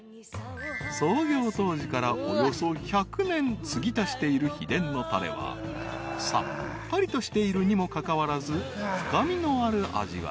［創業当時からおよそ１００年つぎ足している秘伝のたれはさっぱりとしているにもかかわらず深みのある味わい］